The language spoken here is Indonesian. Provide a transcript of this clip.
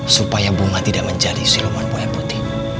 supaya bunga tidak menjadi siluman buah putih